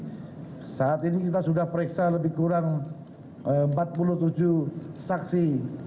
jadi saat ini kita sudah periksa lebih kurang empat puluh tujuh saksi